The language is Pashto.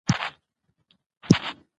افغانستان د سلیمان غر په اړه څېړنې لري.